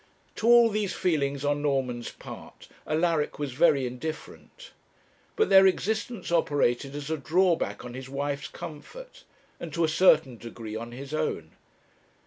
To all these feelings on Norman's part Alaric was very indifferent; but their existence operated as a drawback on his wife's comfort, and, to a certain degree, on his own.